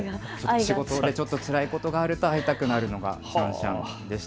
仕事でつらいことがあると会いたくなるのがシャンシャンです。